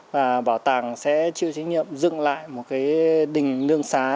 và bảo tàng sẽ chịu trí nghiệm dựng lại một cái đình lương xá